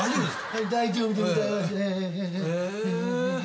はい大丈夫でございます。